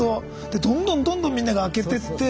でどんどんどんどんみんなが開けてって。